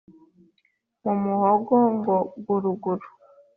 mu muhogo ngo guruguru